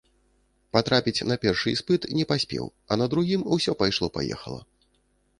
Патрапіць на першы іспыт не паспеў, а на другім усё пайшло-паехала.